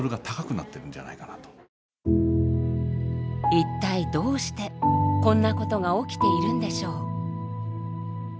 一体どうしてこんなことが起きているんでしょう。